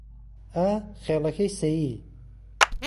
ئا خێڵهکهی سهیی